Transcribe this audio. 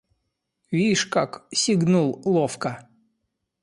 Вишь, как сигнул ловко!